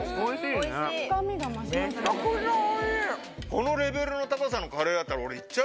このレベルの高さのカレーだったら俺。